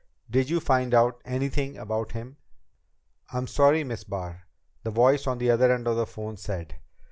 Did you find out anything about him?" "I'm sorry, Miss Barr," the voice on the other end of the phone said.